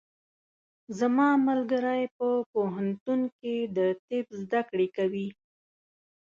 زما ملګری په پوهنتون کې د طب زده کړې کوي.